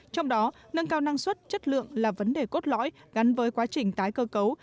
trong đó nâng cao năng suất chất lượng là vấn đề cốt lõi gắn với quá trình tái cơ cấu